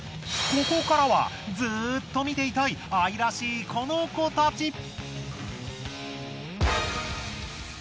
ここからはずっと見ていたい愛らしいこの子たち。